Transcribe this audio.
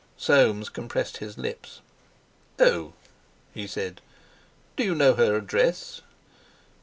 Soames compressed his lips. "Oh!" he said; "do you know her address?"